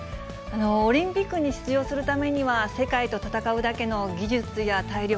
オリンピックに出場するためには世界と戦うだけの技術や体力、